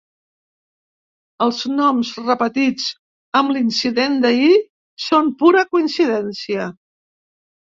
Els noms repetits amb l'incident d'ahir són pura coincidència.